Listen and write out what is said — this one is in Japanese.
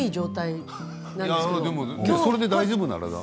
それで大丈夫なら。